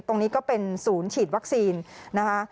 ตรงนี้ก็เป็นศูนย์ฉีดวัคซีนนะคะ